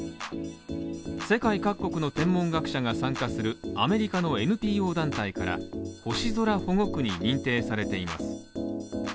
世界各国の天文学者が参加するアメリカのＮＰＯ団体から星空保護区に認定されています。